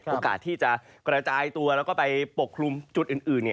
โอกาสที่จะกระจายตัวแล้วก็ไปปกคลุมจุดอื่น